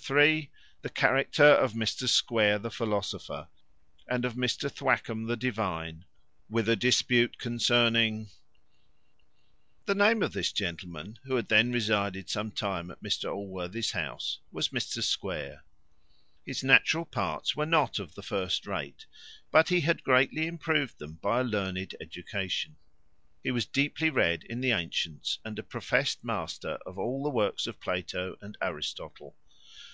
The character of Mr Square the philosopher, and of Mr Thwackum the divine; with a dispute concerning The name of this gentleman, who had then resided some time at Mr Allworthy's house, was Mr Square. His natural parts were not of the first rate, but he had greatly improved them by a learned education. He was deeply read in the antients, and a profest master of all the works of Plato and Aristotle.